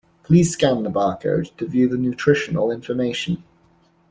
Please scan the bar code to view the nutritional information.